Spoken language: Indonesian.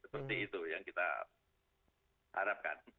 seperti itu yang kita harapkan